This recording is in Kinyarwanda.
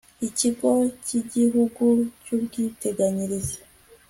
ikigo cy'igihugu cy'ubwiteganyirize